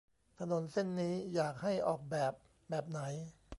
ถนนเส้นนี้อยากให้ออกแบบแบบไหน